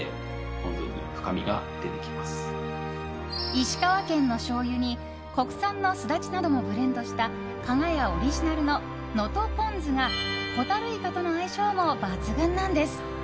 石川県のしょうゆに国産のスダチなどもブレンドした加賀屋オリジナルの能登ぽんずがホタルイカとの相性も抜群なんです。